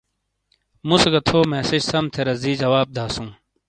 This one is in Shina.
مُوسے گہ تھو مسیج سَم تھے رَزی جواب داسُوں۔